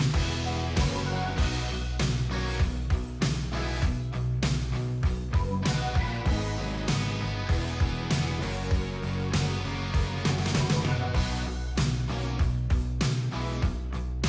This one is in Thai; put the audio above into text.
โปรดติดตามตอนต่อไป